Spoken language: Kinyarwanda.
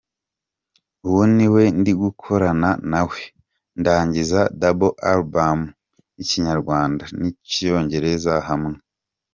Uwo ni we ndi gukorana nawe ndangiza double album yikinyarwanda, niy'icyongereza hamwe.